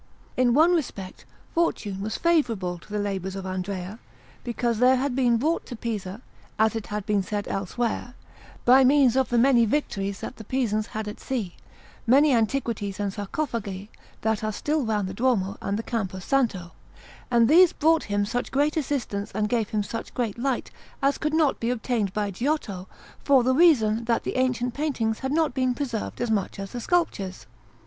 In one respect fortune was favourable to the labours of Andrea, because there had been brought to Pisa, as it has been said elsewhere, by means of the many victories that the Pisans had at sea, many antiquities and sarcophagi that are still round the Duomo and the Campo Santo, and these brought him such great assistance and gave him such great light as could not be obtained by Giotto, for the reason that the ancient paintings had not been preserved as much as the sculptures.